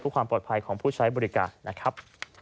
เพื่อความปลอดภัยของผู้ใช้บริการนะครับ